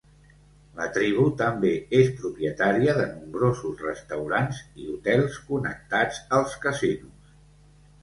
La tribu també és propietària de nombrosos restaurants i hotels connectats als casinos.